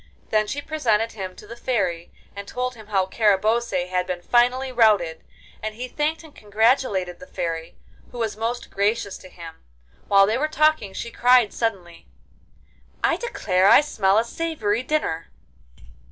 Then she presented him to the Fairy, and told him how Carabosse had been finally routed, and he thanked and congratulated the Fairy, who was most gracious to him. While they were talking she cried suddenly: 'I declare I smell a savoury dinner.